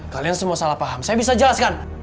kalian semua salah paham saya bisa jelaskan